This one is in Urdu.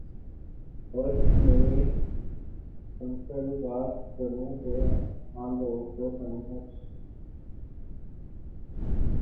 او بہن میری سمپل بات کرو جو عام لوگوں کو سمحجھ